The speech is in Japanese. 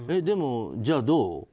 でもじゃあどう？